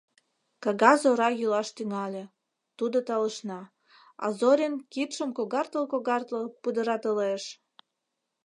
Кагаз ора йӱлаш тӱҥале, тудо талышна, а Зорин кидшым когартыл-когартыл пудыратылеш.